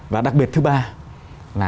và đặc biệt thứ ba là